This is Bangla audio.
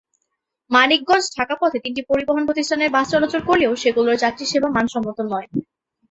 মানিকগঞ্জ-ঢাকা পথে তিনটি পরিবহন প্রতিষ্ঠানের বাস চলাচল করলেও সেগুলোর যাত্রীসেবা মানসম্মত নয়।